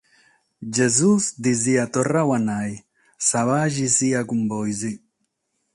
Gesùs ddis aiat torradu a nàrrere: «Sa paghe siat cun bois!»